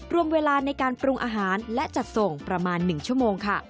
รวมเวลาในการปรุงอาหารและจัดส่งประมาณ๑ชั่วโมงค่ะ